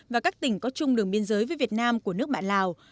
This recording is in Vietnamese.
và các tỉnh có chung đường biên giới với việt nam của nước bạn lào